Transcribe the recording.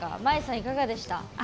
いかがでした？